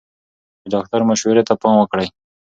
د ډاکټر مشورې ته پام وکړئ.